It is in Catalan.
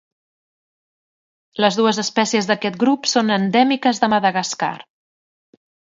Les dues espècies d'aquest grup són endèmiques de Madagascar.